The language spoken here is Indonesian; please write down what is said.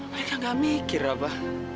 mereka gak mikir apa